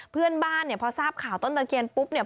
เพื่อนบ้านเนี่ยพอทราบข่าวต้นตะเคียนปุ๊บเนี่ย